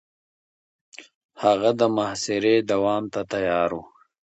هغه د محاصرې دوام ته تيار و.